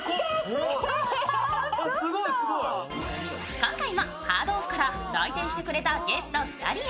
今回もハードオフから来店してくれたゲスト２人へ